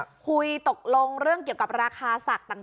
คุยตกลงเรื่องเกี่ยวกับราคาสัตว์ต่าง